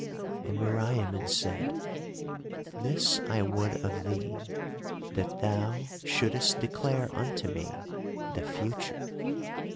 "And Meriamun said: 'This I would of thee, that thou shouldest declare unto me the future.